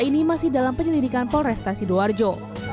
ini masih dalam penyelidikan polrestasi sidoarjo